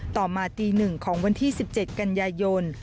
ต่อมาตี๑ของวันที่๑๗กันยายน